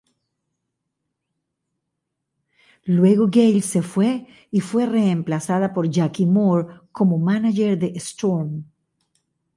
Luego, Gail se fue y fue reemplazada por Jackie Moore como mánager de Storm.